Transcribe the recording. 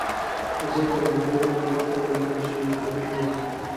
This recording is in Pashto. زه تر ملګرو لږ وخته ووتم چې جلبۍ واخلم.